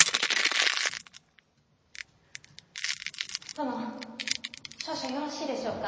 殿少々よろしいでしょうか。